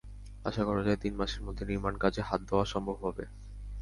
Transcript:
আশা করা যায়, তিন মাসের মধ্যে নির্মাণকাজে হাত দেওয়া সম্ভব হবে।